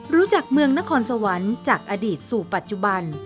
รู้จักเมืองนครสวรรค์จากอดีตสู่ปัจจุบัน